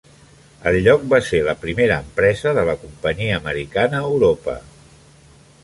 El lloc va ser la primera empresa de la companyia americana a Europa.